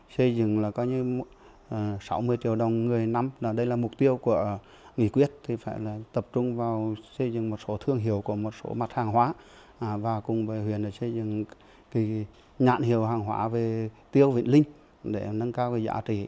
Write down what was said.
xây dựng sáu mươi triệu đồng người năm đây là mục tiêu của nghị quyết tập trung vào xây dựng một số thương hiệu của một số mặt hàng hóa và cùng với huyền xây dựng nhãn hiệu hàng hóa về tiêu vĩnh linh để nâng cao giá trị